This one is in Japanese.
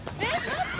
待って！